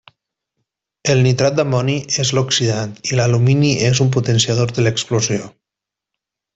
El nitrat d'amoni és l'oxidant i l'alumini és un potenciador de l'explosió.